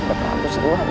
dan kehabisan tuhan